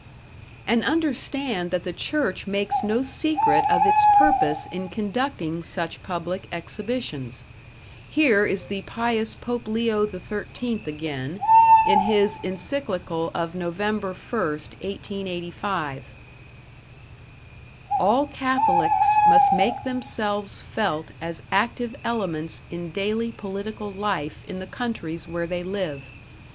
And understand that the church makes no secret of its purpose in conducting such public exhibitions. Here is the pious Pope Leo XIII again, in his Encyclical of Nov. 1, 1885: All Catholics must make themselves felt as active elements in daily political life in the countries where they live.